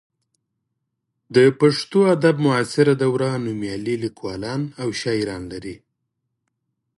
د پښتو ادب معاصره دوره نومیالي لیکوالان او شاعران لري.